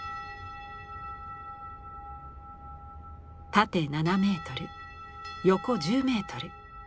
縦７メートル横１０メートル。